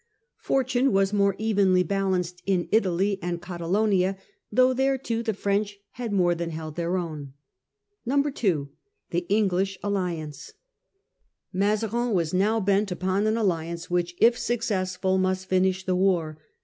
Fortune had been more evenly balanced in Italy and Catalonia, though there too the F rench had more than held their own. 74 Close of the War zuitk Spain. 1655. 2. The English Alliance. Mazarin was now bent upon an enterprise which, if successful, must finish the war.